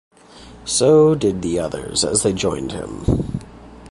So did the others as they joined him.